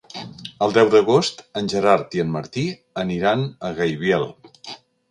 El deu d'agost en Gerard i en Martí aniran a Gaibiel.